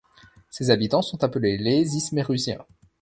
Ses habitants sont appelés les Ismérusiens.